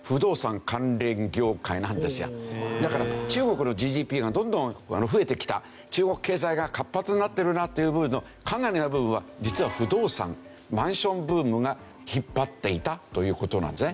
だから中国のＧＤＰがどんどん増えてきた中国経済が活発になってるなっていう部分のかなりの部分は実は不動産マンションブームが引っ張っていたという事なんですね。